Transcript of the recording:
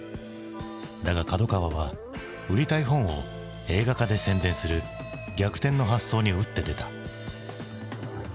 だが角川は売りたい本を映画化で宣伝する逆転の発想に打って出た。